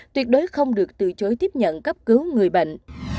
tuyệt đối không được từ chối tiếp nhận cấp cứu người bệnh